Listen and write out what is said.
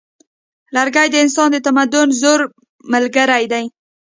لرګی د انسان د تمدن زوړ ملګری دی.